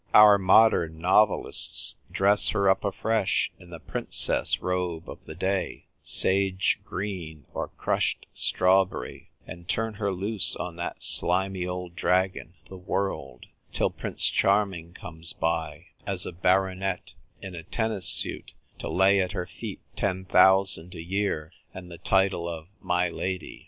Our modern novelists dress her up afresh in the princess robe of the day (sage green or crushed strawberry), and turn her loose on that slimy old dragon the world, till Prince Charming comes by, as a baronet in a tennis suit, to lay at her feet ten thousand a year and the title of My Lady.